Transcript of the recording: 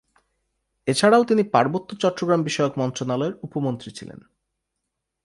এছাড়াও তিনি পার্বত্য চট্টগ্রাম বিষয়ক মন্ত্রণালয়ের উপমন্ত্রী ছিলেন।